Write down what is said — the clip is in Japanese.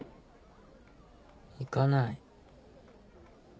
行かない。